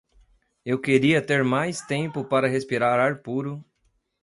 eu queria ter mais tempo para respirar ar puro